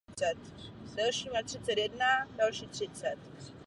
Sonda Huygens během svého sestupu k povrchu měsíce nemohla detekovat směr ke Slunci.